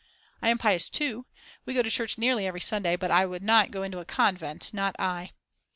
I am pious too, we go to church nearly every Sunday, but I would not go into a convent, not I.